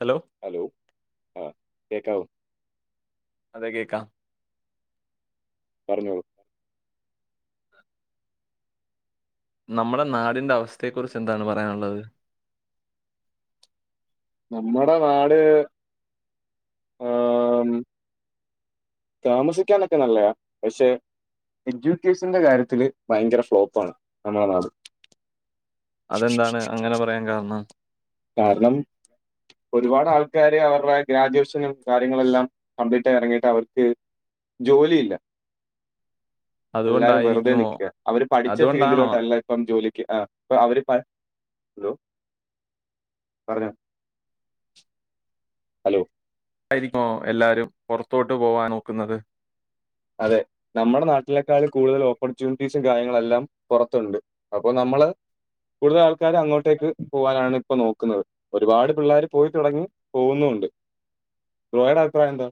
Hello hello ആ കേക്കാവോ അതെ കേക്കാം പറഞ്ഞോളൂ നമ്മളെ നാടിന്റെ അവസ്ഥയെ കുറിച്ച് എന്താണ് പറയാനുള്ളത് നമ്മടെ നാട് ആം താമസിക്കാനൊക്കെ നല്ലയാ പക്ഷെ എജുക്കേഷന്റെ കാര്യത്തില് ഭയങ്കര ഫ്ലോപ്പാണ് നമ്മളെ നാട് അതെന്താണ് അങ്ങനെ പറയാൻ കാരണം കാരണം ഒരുപാട് ആൾക്കാര് അവർടെ ഗ്രാജുവേഷനും കാര്യങ്ങളെല്ലാം കംപ്ലീറ്റ് ആയി ഇറങ്ങിയിട്ട് അവർക്ക് ജോലിയില്ല എല്ലാരും വെറുതെ അതുകൊണ്ടായിരിക്കുമോ നിക്കാണ് അവര് പഠിച്ച അതുകൊണ്ടാണോ ഫീൽഡിലോട്ട് അല്ല അപ്പം ജോലിക്ക് ആ ഇപ്പം അവര് പ ന്ദോ പറഞ്ഞോ ഹലോ ആയിരി [unintelligible] എല്ലാരും പൊർത്തോട്ട് പോവാൻ നോക്ക്ന്നത് അതെ നമ്മുടെ നാട്ടിലേക്കാളും കൂടുതൽ ഓപ്പർച്യൂണിറ്റീസും കാര്യങ്ങളെല്ലാം പൊറത്തുണ്ട് അപ്പൊ നമ്മള് കൂടുതൽ ആൾക്കാര് അങ്ങോട്ടേക്ക് പോവാനാണ് ഇപ്പ നോക്കുന്നത് ഒരുപാട് പിള്ളേര് പോയി തുടങ്ങി പോവുന്നുണ്ട് ബ്രോയുടെ അഭിപ്രായം എന്താ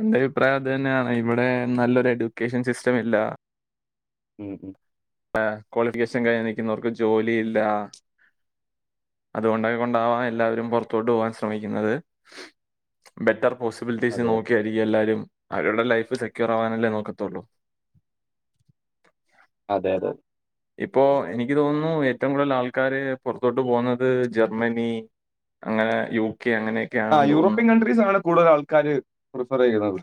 എന്റെ അഭിപ്രായം അത് തന്നെയാണ് ഇവിടെ നല്ലൊരു എഡ്യൂക്കേഷൻ സിസ്റ്റം ഇല്ല ഉം ഉം ല്ല ക്വാളിഫിക്കേഷൻ കഴിഞ്ഞു നിക്കുന്നവർക്ക് ജോലിയില്ല അതുകൊണ്ട് അത് കൊണ്ടാവാ എല്ലാവരും പൊർത്തോട്ട് പോവാൻ ശ്രമിക്കുന്നത് ബെറ്റർ പോസിബിലിറ്റീസ് അതെ അതെ നോക്കിയായിരിക്കും എല്ലാരും അവരുടെ ലൈഫ് സെക്യൂറാവാനല്ലേ നോക്കത്തുള്ളൂ അതെ അതെ ഇപ്പോഎനിക്ക് തോന്നുന്നു ഏറ്റവും കൂടുതൽ ആൾക്കാര് പൊർത്തോട്ട് പോവുന്നത് ജർമ്മനി അങ്ങനെ യു കെ അങ്ങനെ ആ യൂറോപ്യൻ കൺഡ്രീസ് ആണ് കൂടുതൽ ആൾക്കാര് പ്രിഫർ ചെയ്യുന്നത്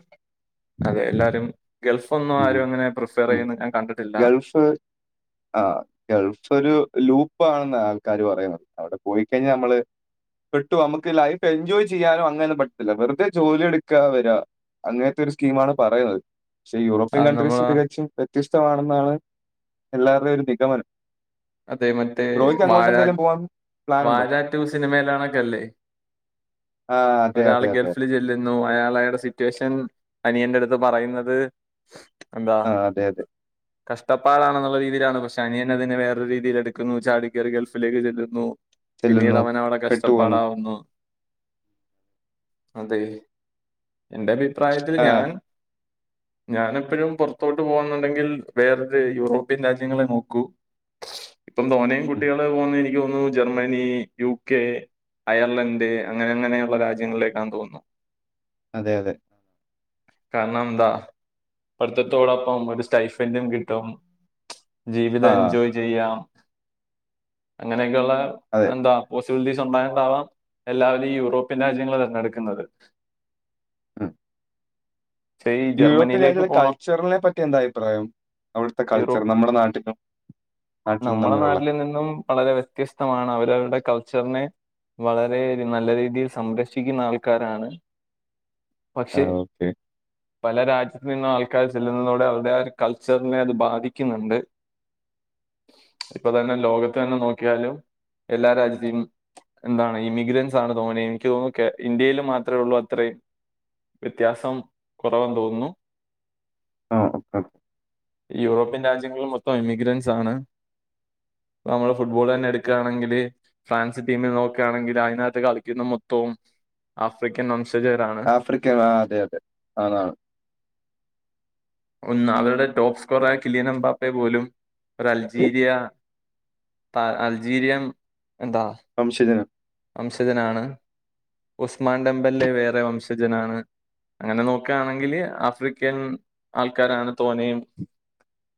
അതെ എല്ലാരും ഗൾഫ് ഒന്നു ഉം. ആരു അങ്ങനെ പ്രിഫർ ചെയ്യുന്ന ഞാൻ കണ്ടിട്ടില്ല ഗൾഫ് ആ ഗൾഫ് ഒരു ലൂപ്പ് ആണെന്നാ ആൾക്കാര് പറയുന്നത് അവടെ പോയിക്കഴിഞ്ഞാ ഞമ്മള് പെട്ടു നമ്മക്ക് ലൈഫ് എൻജോയ് ചെയ്യാനോ അങ്ങനെ പറ്റത്തില്ല വെറുതെ ജോലി എടുക്കാ വരാ അങ്ങൻത്തെ ഒരു സ്കീം ആണ് പറയുന്നത് പക്ഷെ യൂറോപ്യൻ അത് കൺട്രീസ് നമ്മള് തികച്ചും വ്യത്യസ്തമാണെന്നാണ് എല്ലാവരുടെയും ഒരു നിഗമനം അതെ മറ്റേ ബ്രോയ്ക്ക് വാഴ അങ്ങോട്ട് എന്തെങ്കിലും പോകാൻ പ്ലാൻ ഉണ്ടോ വാഴാ റ്റു സിനിമയിലണക്കെല്ലേ ആ അതെ അതെ അതെ ഗൾഫില് ചെല്ലുന്നു അയാള് അയാൾടെ സിറ്റുവേഷൻ അനിയന്റെ അടുത്ത് പറയുന്നത് എന്താ ആ അതെ അതെ കഷ്ടപ്പാടാണെന്നുള്ള രീതിയിലാണ് പക്ഷെ അനിയൻ അതിനെ വേ റേ രീതില് എടുക്കുന്നു ചാടികേറി ഗൾഫിലേക്ക് ചെല്ലുന്നു പിന്നീട് ചെല്ലുന്നു അവൻ അവിടെ പെട്ടുപോകുന്നു കഷ്ടപ്പാടാവുന്നു അതെ എന്റെ അഭിപ്രായത്തിൽ ആ ഞാൻ ഞാൻ എപ്പോഴും പുറത്തോട്ട് പോകുന്നുണ്ടെങ്കിൽ വേറൊരു യൂറോപ്യൻ രാജ്യങ്ങളെ നോക്കൂ ഇപ്പം തോനേ ഉം, കുട്ടികൾ പോകുന്ന എനിക്ക് തോന്നുന്നു ജർമ്മനി യു കെ അയർലൻഡ് അങ്ങനെ അങ്ങനെയുള്ള രാജ്യങ്ങളിലേക്കാൻ തോന്നുന്നു അതെ അതെ കാരണമെന്താ പഠിത്തത്തോടൊപ്പം ഒരു സ്റ്റൈഫന്റും കിട്ടും ജീവിതം ആ എൻജോയ് ചെയ്യാം അങ്ങനെയൊക്കെയുള്ള അതെ എന്താ പോസിബിലിറ്റി ഉണ്ടായിട്ടാവാം എല്ലാവരും ഈ യൂറോപ്യൻ രാജ്യങ്ങൾ തിരഞ്ഞെടുക്കുന്നത് ഉം പക്ഷേ ഈ യൂറോപ്യൻ ജർമ്മനിയിലേക്ക് രാജ്യങ്ങളെ പോണം കൾച്ചറിനെ പറ്റിയെന്താ അഭിപ്രായം അവിടുത്തെ കൾച്ചർ നമ്മുടെ നാട്ടിലും നാട്ടിലും നമ്മളെ തമ്മിലുള്ള നാട്ടിൽ നിന്നും വളരെ വ്യത്യസ്തമാണ് അവരവരുടെ കൾച്ചറിനെ വളരെ രി നല്ല രീതിയിൽ സംരക്ഷിക്കുന്നാൾക്കാരാണ് ആ പക്ഷെ ഓക്കെ പല രാജ്യത്തി നിന്നും ആൾക്കാര് ചെല്ലുന്നതോടെ അവരുടെ ആ ഒരു കൾച്ചറിനെ അത് ബാധിക്കുന്ന്ണ്ട് ഇപ്പൊ തന്നെ ലോകത്തന്നെ നോക്കിയാലും എല്ലാ രാജ്യത്തീന്നും എന്താണ് ഇമിഗ്രൻസാണ് തോനെയെനിക്ക് തോന്നുന്നു കേ ഇന്ത്യയില് മാത്രുള്ളൂ അത്ര വ്യത്യാസം കൊറവാന്ന് തോന്നുന്നു ആ ഓക്കെ ഓക്കെ യൂറോപ്യൻ രാജ്യങ്ങളി മൊത്തം ഇമിഗ്രൻസ് താണ് നമ്മള് ഫുട്ബോളന്നെ എടുക്കാണെങ്കില് ഫ്രാൻസ് ടീമിൽ നോക്ക്യാണെങ്കില് അയിനകത്ത് കളിക്കുന്ന മൊത്തവും ആഫ്രിക്കൻ വംശ ആഫ്രിക്കയാ ആ അതെ അതെ അതാണ് ഒന്ന് അവരുടെ ടോപ്പ് സ്കോറായ കില്യനംപാപ്പയെ പോലും ഒരൾജീരിയ പ അൽജീരിയം എന്താ വംശജനം വംശജനാണ് ഉസ്മാൻടെമ്പല്ലെ വേറെ വംശജനാണ് അങ്ങനെ നോക്ക്യാണെങ്കില് ആഫ്രിക്കൻ ആൾക്കാരാണ് തോനയും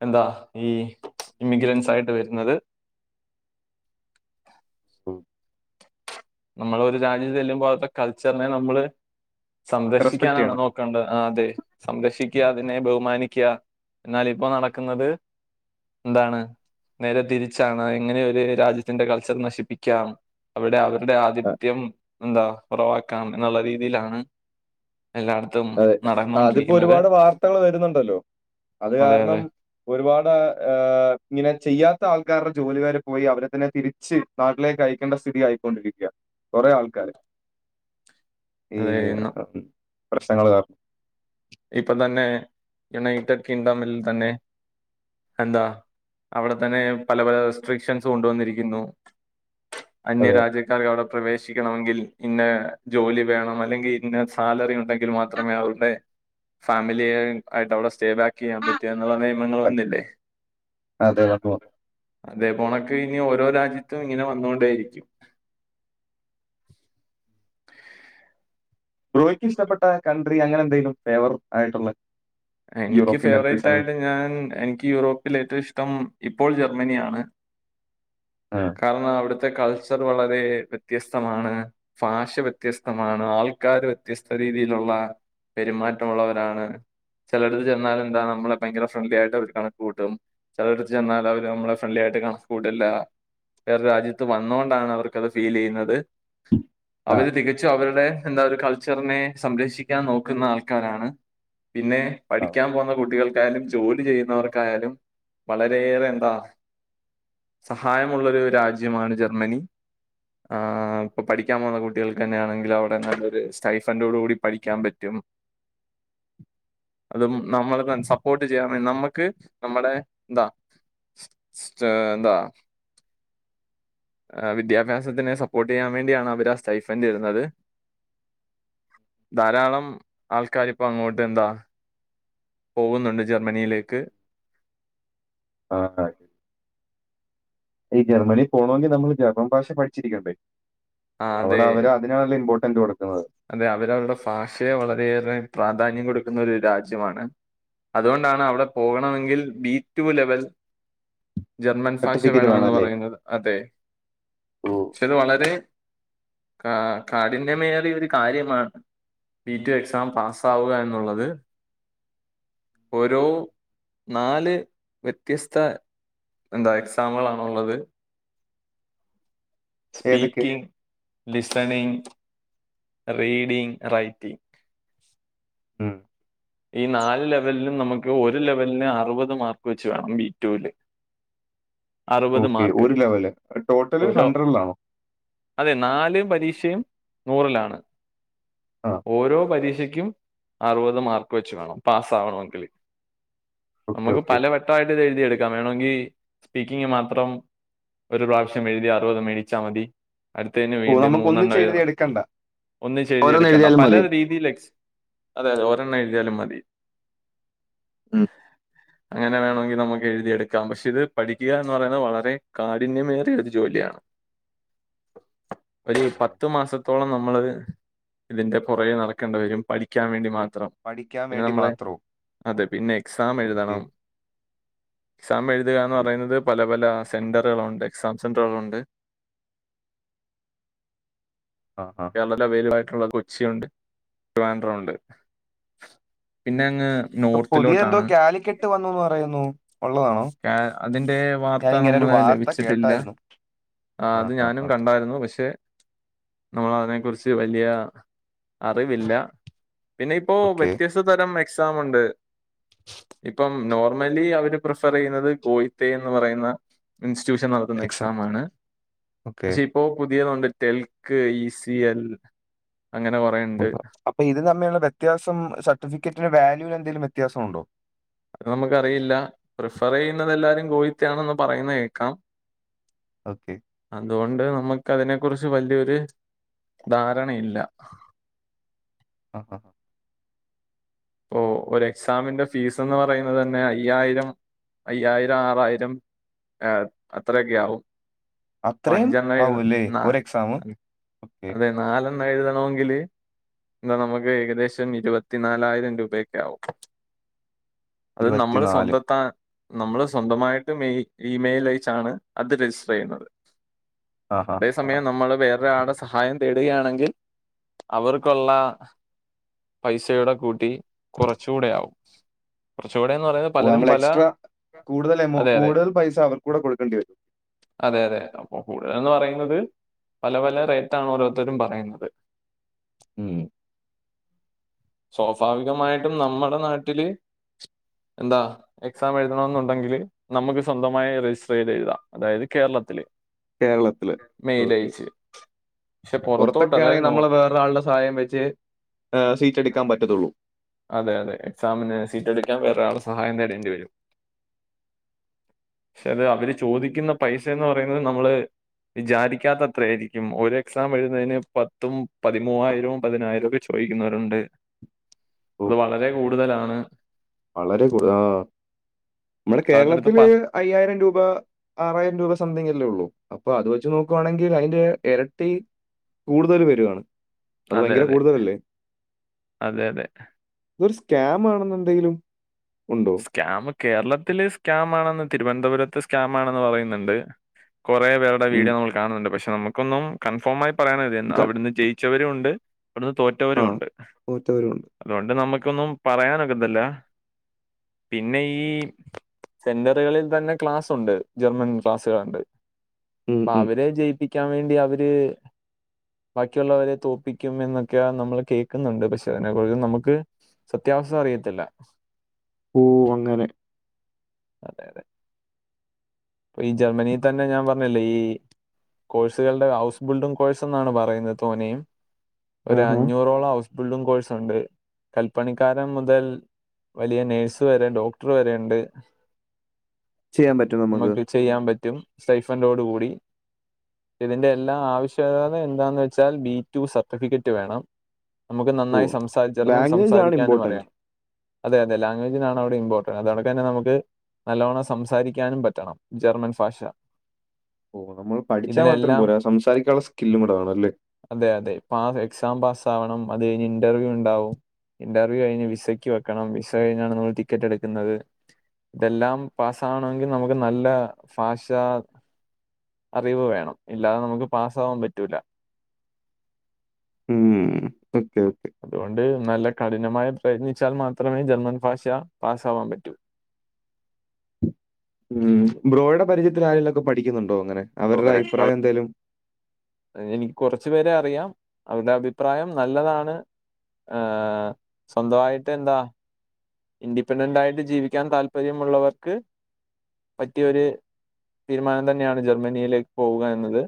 എന്താ ഈ ഇമിഗ്രൻസായിട്ട് വെര്ന്നത് നമ്മളൊരു രാജ്യത്ത് ചെല്ലുമ്പോ അവിട്ത്തെ കൾച്ചറിനെ നമ്മള് റെസ്പെക്ട് സംരക്ഷിക്കാനാണ് ചെയ്യണം നോ കണ്ട ആ അതെ സംരക്ഷിക്ക്യ അതിനെ ബഹുമാനിക്ക്യ എന്നാലിപ്പോ നടക്ക്ന്നത് എന്താണ് നേരെ തിരിച്ചാണ് എങ്ങനെയൊരു രാജ്യത്തിന്റെ കൾച്ചറ് നശിപ്പിക്കാം അവിടെ അവരുടെ ആ, ആധിപത്യം എന്താ കൊറവാ ക്കാം എന്നുള്ള രീതിയിലാണ് എല്ലായിടു അതെ ആഅതിപ്പോരുപാട് വാർത്തകള് വരുന്നുണ്ടല്ലോ അത് അതെ കാരണം അതെ ഒരുപാട് ഏഹ് ഇങ്ങനെ ചെയ്യാത്താൾക്കാരുടെ ജോലി വരെ പോയി അവരെ തന്നെ തിരിച്ച് നാട്ടിലേക്കയക്കണ്ട സ്ഥിതി ആയിക്കൊണ്ടിരിക്ക്യ കൊറെ ആൾക്കാര് [inaudible] ഈ എ അതെ ഉം പ്രശ്നങ്ങള് കാരണം ഇപ്പൊ തന്നെ യുണൈറ്റഡ് കിൻഡമിൽ തന്നെ എന്താ അവിടെ തന്നെ പല പല റെസ്ട്രിഷ്യൻസ് കൊണ്ട് വന്നിരിക്ക്ന്നു അന്യ അതെ രാജ്യ ക്കാർക്ക് അവിടെ പ്രവേശിക്കണമെങ്കിൽ ഇന്ന ജോലി വേണമല്ലെങ്കിൽ ഇന്ന സാലറി ഉണ്ടെങ്കിൽ മാത്രമേ അവരുടെ ഫാമിലിയെ ആയിട്ട് അവിടെ സ്റ്റേ ബേക്ക് ക്ക്യാൻ പറ്റയെന്നുള്ള നിയമങ്ങള വന്നില്ലേ അതെ വന്നു വന്നു അതെ പൊണക്കിനി ഓരോ രാജ്യത്തും ഇങ്ങനെ വന്നോണ്ടേയിരിക്കും ബ്രോയ്ക്കിഷ്ടപ്പെട്ട കൺട്രിയങ്ങനെന്തേലും ഫേവർ ആയിട്ടുള്ള എനിക്ക് യൂറോപ്യൻ കൺട്രീസ് അങ്ങനെ ഫേവറേറ്റായിട്ട് ഞാൻ എനിക്ക് യൂറോപ്പിലേറ്റവും ഇഷ്ടം ഇപ്പോൾ ജർമ്മനിയാണ് ആഹ് കാരണം അവിടുത്തെ കൾച്ചർ വളരെ വ്യത്യസ്തമാണ് ഫാഷ വ്യത്യസ്തമാണ് ആൾക്കാര് വ്യത്യസ്ത രീതിയില്ള്ള പെരുമാറ്റമുള്ളവരാണ് ചെലടത്ത് ചെന്നാലെന്താ നമ്മളെ ഭയങ്കര ഫ്രണ്ട്ലിയായിട്ടവര് കണക്ക് കൂട്ടും. ചെലോട്ത്ത് ചെന്നാലവര് നമ്മളെ ഫ്രണ്ട്ലിയായിട്ട് കണക്ക് കൂട്ടൽല്ല. വേറ രാജ്യത്ത് വന്നോണ്ടാണവർക്കത് ഫീലെയ്യുന്നത്. ആ, അവര് തികച്ചും അവരുടെ എന്താ ഒരു കൾച്ചർനെ സംരക്ഷിക്കാൻ നോക്കുന്ന ആൾക്കാരാണ്. പിന്നെ ആ, പഠിക്കാൻ പോന്ന കുട്ടികൾക്കായാലും ജോലി ചെയ്യുന്നവർക്കായാലും വളരെയേറെ എന്താ സഹായമുള്ളൊരു രാജ്യമാണ് ജർമ്മനി. ആ ഇപ്പൊ പഠിക്കാൻ പോന്ന കുട്ടികൾക്കന്നെയാണെങ്കിലവടെ നല്ലൊരു സ്റ്റൈഫന്റോടൂടി പഠിക്കാം പറ്റും. അതും നമ്മള്ത സപ്പോട്ട് ചെയ്യാൻ വേ നമ്മക്ക് നമ്മടെ ന്താ സ് സ് സ്റ്റേ ന്താ ഏഹ് വിദ്യാഭാസത്തിനെ സപ്പോർട്ടെയ്യാൻ വേണ്ട്യാണ് അവര് ആ സ്റ്റൈഫൻ്റെരുന്നത്. ധാരാളം ആൾക്കാരിപ്പം അങ്ങോട്ടെന്താ പോകുന്നുണ്ട് ജർമ്മനിയിലേക്ക് ആഹ് ആഹ് ഈ ജർമ്മനി പോണോങ്കി നമ്മള് ജർമ്മൻ ഫാഷ പഠിച്ചിരിക്കണ്ടേ ആ അതെ അവിടെ അവര് അതിനാണല്ലോ ഇമ്പോർട്ടന്റ് കൊടുക്കുന്നത്. അതെ അവര് അവര്ടെ ഫാഷയെ വളരെയേറെ പ്രാധാന്യം കൊടുക്കുന്നൊരു രാജ്യമാണ്. അത്കൊണ്ടാണ് അവടെ പോവണമെങ്കിൽ ബി ടു ലെവൽ ജർമ്മൻ ഫാഷ സർട്ടിഫിക്കറ്റ് വേണമെന്ന് വേണമല്ലേ പറയുന്നത് അതെ ഓ ഇത് വളരെ കാ കാഠിന്യമേറിയൊര് കാര്യമാ ബി ടു എക്സാം പാസാവുക എന്നുള്ളത്. ഓരോ നാല് വ്യത്യസ്ത എന്താ എക്സാമുകളാണ് ഉള്ളത്. ഏതൊക്കെ സ്പീക്കിംഗ്, ലിസണിങ്, റീഡിങ്, റൈറ്റിംഗ് ഉം ഈ നാല് ലെവല് ലും നമക്ക് ഒരു ലെവല്ന് അറുപത് മാർക്ക് വെച്ച് വേണം ബി ടു ല് ഓക്കെ ഒരു ലെവല് ടോട്ടല് ഓരോ ഹൺഡ്രഡിലാണോ? അതെ നാല് പരീക്ഷയും നൂറിലാണ്. ആഹ് ഓരോ പരീക്ഷക്കും അറുപത് മാർക്ക് വെച്ച് വാണം പാസാവണമെങ്കില്. ഓക്കെ നമ്മക്ക് ഓക്കെ പല വെട്ടമായിട്ട്ത് എഴുതി എടുക്കാം വേണോങ്കി സ്പീക്കിങ് മാത്രം ഒരു പ്രാവശ്യം എഴുതി അറുപത് മേടിച്ചാ മതി. അട്ത്തയ്ന് ഓ വീണ്ടും നമുക്ക് മൂന്നെണ്ണം ഒന്നിച്ച് എഴുതി എഴുതണം എടുക്കണ്ട ഒന്നിച്ച് ഓരോന്ന് എഴുതിയെടുക്കണ്ട. എഴുതിയാലും മതി രീതിൽ എക്സ് അതെ യതെ ഒരെണ്ണം എഴ്തിയാലും മതി. ഉം അങ്ങനെ വേണോങ്കി നമ്മക്ക് എഴുതിയെടുക്കാം പക്ഷെ ഇത് പഠിക്കുക എന്ന് പറയുന്നത് വളരെ കാഠിന്യമേറിയ ഒരു ജോലിയാണ്. ഓ ഒര് പത്ത് മാസത്തോളം നമ്മള് ഇതിൻ്റെ പൊറകെ നടക്കണ്ട വരും പഠിക്കാൻ വേണ്ടി മാത്രം. പഠിക്കാൻ പിന്നെ വേണ്ടി നമ്മളെ മാത്രമോ അതെ പിന്നെ ഓക്കെ എക്സാംമെഴുതണം. എക്സാം എഴ്തുക ന്ന് പറയുന്നത് പല പല സെന്ററുകളുണ്ട് എക്സാം സെന്ററുകളുണ്ട്. ആഹ് ആഹ് [unintelligible] അവൈലബിളായിട്ടുള്ള കൊച്ചിയുണ്ട് ട്രിവാൻഡ്രൊണ്ട് പിന്നങ്ങ് ഇപ്പൊ പുതിയന്തോ കാലിക്കട്ട് വന്നുന്ന് പറയുന്നു. ഉള്ളതാണോ കാ അതിന്റെ ഞാൻ വാർത്ത ഇങ്ങനെ ഒരു നമ്മള് വാർത്ത ലഭിച്ചിട്ടില്ല. കേട്ടായിരുന്നു ആഹ് ആ അത് ഹാ ഞാനും ഹാ കണ്ടാർന്നു പക്ഷേ നമ്മൾ അതിനെ കുറിച്ച് വല്യ അറിവില്ല പിന്നെ ഇപ്പോ ഓക്കെ വ്യത്യസ് തരം എക്സാംമ്ണ്ട് ഇപ്പം നോർമലി അവര് പ്ര പറയുന്നത് കോയിത്തേന്ന് പറയുന്ന ഇൻസ്റ്റിറ്റ്യൂഷൻ നടത്തുന്ന എക്സാം എക്സാമാണ് ഓക്കെ പക്ഷേ ഇ പ്പോ പുതിയതൊണ്ട് ടെൽക്ക്, ഈ സി എൽ അങ്ങനെ കുറെ ഉണ്ട് [unintelligible] അപ്പൊ ഇത് തമ്മിഉള്ള വ്യത്യാസം സർട്ടിഫിക്കറ്റിലെ വാല്യൂല് എന്തെലും വ്യത്യാസം ഉണ്ടോ നമുക്കറിയില്ല പ്രിഫർ ചെയ്യുന്നത് എല്ലാരും ഗോയിറ്റ ആണന്ന് പറയുന്ന കേക്കാം ഓക്കേ അതുകൊണ്ട് നമുക്ക് അതിനെ കുറിച്ച് വല്യ ഒരു ധാരണഇല്ല ആഹ് ഹ ഓ ഒര് എക്സാമിന്റെ ഫീസ് എന്ന് പറയുന്നത് തന്നെ അയ്യായിരം അയ്യായിരം ആറായിരം ആഹ് അത്രയൊക്കെ ആവും ഇപ്പം അത്രയും അഞ്ചെണ്ണം എഴുത ആവൂല്ലേ നാ ഒരു എക്സാം ഓക്കെ അതെ നാലെണ്ണം എഴുതണോങ്കില് എന്താ നമുക്ക് ഏകദേശം ഇരുപത്തിനാലായിരം രൂപഓക്കെ ആവും അത് നമ്മള് ഇരുപത്തിനാല് സ്വന്തത്താ നമ്മള് സ്വന്തമായിട്ട് മെയി ഇമെയിൽ അയച്ചാണ് അത് രജിസ്റ്റർ ചെയ്യുന്നത് ആഹാ അതേ സമയം നമ്മൾ വേറൊരാൾടെ സഹായം തേടുകയാണെങ്കിൽ അവർക്കുള്ള പൈസയുടെ കൂട്ടി കുറച്ചുകൂടെയാവും കുറച്ചുകൂടെന്ന് പറഞ്ഞ ഓ നമ്മൾ എക്സ്ട്രാ കൂടുതൽ എമൗ അതെ കൂടുതൽ പൈസ അവർകൂടെ കൊടുക്കേണ്ടി വരും. അതെ അതെ അപ്പോ കൂടുതൽ എന്ന് പറയുന്നത് പല പല റേറ്റാണ് ഓരോരുത്തരും പറയുന്നത്. ഉം സ്വാഭാവികമായിട്ടും നമ്മുടെ നാട്ടിൽ എന്താ എക്സാം എഴുതണോന്നുണ്ടെങ്കിൽ നമുക്ക് സ്വന്തമായി രജിസ്റ്റർ ചെയ്ത് എഴുതാം അതായത് കേരളത്തിൽ കേരള അല്ലെ മെയിൽ ഒക്കെ അയച്ച് പക്ഷെ പുറത്തോട്ട് അതായത് പുറത്തൊക്കൊണെങ്കിൽ നോ നമ്മൾ വേറൊരാളുടെ സഹായം വെച്ച് ആ സീറ്റ് എടുക്കാൻ പറ്റത്തുള്ളൂ അതെ അതെ എക്സാമിന് സീറ്റ് എടുക്കാൻ വേറൊൾടെ സഹായം തേടേണ്ടി വരും. പക്ഷെ അത് അവര് ചോദിക്കുന്ന പൈസ എന്ന് പറയുന്നത് നമ്മള് വിചാരിക്കാത്ത അത്ര ആരിക്കും ഒരു എക്സാം എഴുന്നതിന് പത്തും പതിമൂവായിരവും പതിനായിരവും ഒക്കെ വെച്ച് ചോദിക്കുന്നവരുണ്ട് ഓ അത് വളരെ കൂടുതലാണ്. വളരെ കൂടുത ആ നമ്മുടെ അവരുടെ അടുത്ത് കേരളത്തിൽ പ അയ്യായിരം രൂപ ആറായിരം രൂപ സംതിങ് അല്ലേ ഉള്ളൂ അപ്പൊ അത് വെച്ച് നോക്കുവാണെങ്കിൽ അയിൻ്റെ എരട്ടി കൂടുതൽ വരുവാണ്. അത് അതെ ഭയങ്കര അതെ കൂടുതലല്ലേ? അതെ അതെ ഇതൊരു സ്കാമ് ആണെന്ന് എന്തെങ്കിലും ഉണ്ടോ കാമ്മ് കേരളത്തിൽ സ്കാം ആണെന്ന് തിരുവനന്തപുരത്തെ സ്കാം ആണെന്ന് പറയുന്നുണ്ട്. കുറെേ പേർ ടെ ഉം. വീഡിയോ നമ്മൾ കാണുന്നുണ്ട് പക്ഷെ നമുക്കൊന്നും കൺഫോമായി പറയാൻ [unintelligible] ക അവിടുന്ന് ജയിച്ചവരും ഉണ്ട് അവിടുന്ന് തോ ആ. തോറ്റവരുഉണ്ട് തോറ്റവരുണ്ട്. അതുകൊണ്ട് നമുക്കൊന്നും പറയാനൊക്കതില്ല പിന്നെ ഈ സെന്ററുകളിൽ തന്നെ ക്ലാസുണ്ട് ജർമ്മൻ ക്ലാസ്സുകളുണ്ട്. ഉം, അപ്പ ഉം. അവരെ ജയിപ്പിക്കാൻ വേണ്ടി അവര് ബാക്കിയുള്ളവരെ തോപ്പിക്കും എന്നൊക്കെയാ നമ്മൾ കേൾക്കുന്നുണ്ട് പക്ഷെ അതിനെക്കുറിച്ച് നമുക്ക് സത്യാവസ്ഥ അറിയത്തില്ല ഓ അങ്ങനെ അതെ അതെ ഈ ജർമ്മനി തന്നെ ഞാൻ പറഞ്ഞില്ലേ ഈ കോഴ്സുകളുടെ ഹൗസ് ബിൽഡിംഗ് കോഴ്സ് എന്നാണ് പറയുന്നത് തോനെയും ഒരു ആഹാ. അഞ്ഞൂറോളം ഹൗസ് ബിൽഡിങ് കോഴ്സ് ഉണ്ട് കൽപ്പണിക്കാരൻ മുതൽ വലിയ നേഴ്സ് വരെ ഡോക്ടർ വരെ ഉണ്ട്. ചെയ്യാൻ പറ്റോ നമുക്ക് ചെയ്യാൻ പറ്റും സ്റ്റൈഫൻറ്റൊട് കൂടി ഇതിൻ്റെ എല്ലാ ആവശ്യകത എന്താന്ന് വെച്ചാൽ ബിറ്റു സർട്ടിഫിക്കറ്റ് വേണം. അമ്മക്ക് ഓ! നന്നായി സംസാരിജർമ്മൻ ലാംഗ്വേജ് ആണ് ഇമ്പോർട്ടന്റ്. സംസാരിക്കാനുമറിയാം അതെ അതെ ലാംഗ്വേജിനാണ് അവിടെ ഇമ്പോർടന്റ് അതോടെ കഴിഞ്ഞാ നമ്മക്ക് നല്ലോണം സംസാരിക്കാനും പറ്റണം ജർമ്മൻ ഭാഷ ഓ നമ്മൾ പഠിച്ചാ മാത്രം ഇതിനെല്ലാം പോരാ സംസാരിക്കാനുള്ള സ്കില്ലും കൂടെ വേണം അല്ലേ അതെ അതെ [unintelligible] എക്സാം പാസ് ആവണം അത് കഴിഞ്ഞ് ഇന്റർവ്യൂ ഉണ്ടാവും ഇന്റർവ്യൂ കഴിഞ്ഞ് വിസ ക്ക് വെക്കണം വിസ കഴിഞ്ഞാണ് നമ്മള് ടിക്കറ്റ് എടുക്കുന്നത് ഇതെല്ലാം പാസ് ആവണമെങ്കി നമുക്ക് നല്ല ഭാഷ അറിവ് വേണം ഇല്ലാതെ നമുക്ക് പാസ്സാവാൻ പറ്റൂല്ല ഉം ഓക്കെ ഓക്കെ അതുകൊണ്ട് നല്ല കഠിനമായ പ്രയത്നിച്ചാൽ മാത്രമേ ജർമ്മൻ ഭാഷ പാസ് ആവാൻ പറ്റൂ ഉം. ബ്രോയുടെ പരിജയത്തിൽ ആരെലുവൊക്കെ പഠിക്കുന്നുണ്ടോ അങ്ങനെ അവര്ടെ അങ്ങനെ അഭിപ്രായം എന്തേലും എനിക്ക് കൊറച്ചു പേരെ അറിയാം അവരുടെ അഭിപ്രായം നല്ലതാണ് ആഹ് സ്വന്തവായിട്ട് എന്താ ഇൻഡിപെൻഡൻ്റായിട്ട് ജീവിക്കാൻ താല്പര്യമുള്ളവർക്ക് പറ്റിയൊരു തീരുമാനം തന്നെയാണ് ജർമ്മനിയിലേക്ക് പോവുക എന്നത്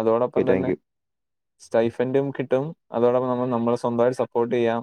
അതോടൊപ്പം ഓക്കെ, താങ്ക് യു. തന്നെ സ്റ്റൈഫന്റും കിട്ടും അതോടൊപ്പം നമ്മ നമ്മളെ സ്വന്തമായിട്ട് സപ്പോർട്ട് ചെയ്യാം